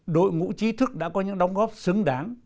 đội ngũ trí thức đã có những đóng góp xứng đáng